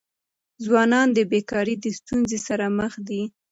ځوانان د بېکاری د ستونزي سره مخ دي.